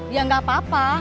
ya enggak apa apa